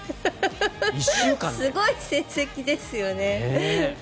すごい成績ですよね。